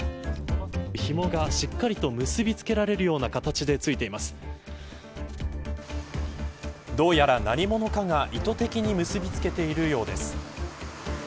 ひもがしっかりと結び付けられるような形でどうやら何者かが意図的に結びつけているようです。